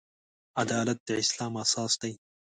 عدالت د اسلام اساس دی.